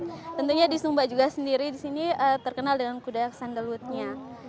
nah tentunya di sumba juga sendiri di sini terkenal dengan kuda sandalwoodnya